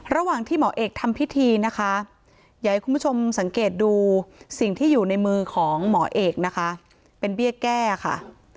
ระหว่างที่หมอเอกทำพิธีนะคะอยากให้คุณผู้ชมสังเกตดูสิ่งที่อยู่ในมือของหมอเอกนะคะเป็นเบี้ยแก้ค่ะ